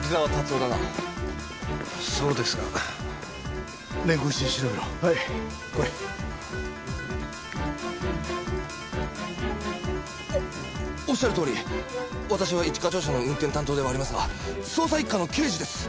おおっしゃるとおり私は一課長車の運転担当ではありますが捜査一課の刑事です！